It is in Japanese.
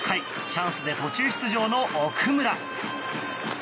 チャンスで途中出場の奥村。